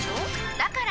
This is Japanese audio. だから！